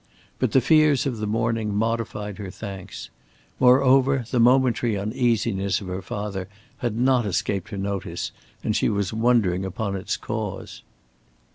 But the fears of the morning modified her thanks. Moreover the momentary uneasiness of her father had not escaped her notice and she was wondering upon its cause.